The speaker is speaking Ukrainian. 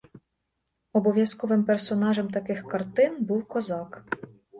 Обов'язковим персонажем таких картин був козак.